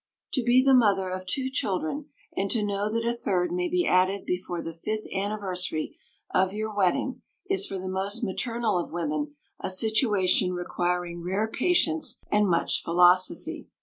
To be the mother of two children, and to know that a third may be added before the fifth anniversary of your wedding, is for the most maternal of women a situation requiring rare patience and much philosophy.